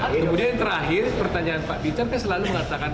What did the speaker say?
kemudian yang terakhir pertanyaan pak bincang selalu mengatakan